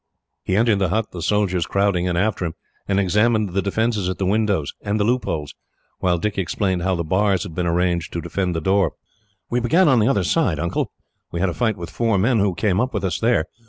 He entered the hut, the soldiers crowding in after him, and examined the defences at the windows, and the loopholes; while Dick explained how the bars had been arranged to defend the door. "We began on the other side, Uncle. We had a fight with four men who came up with us there.